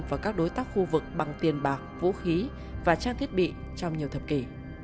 và các đối tác khu vực bằng tiền bạc vũ khí và trang thiết bị trong nhiều thập kỷ